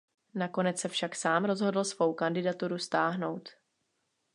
Nakonec se však sám rozhodl svou kandidaturu stáhnout.